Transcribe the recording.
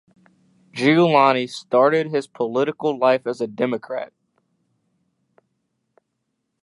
Giuliani started his political life as a Democrat.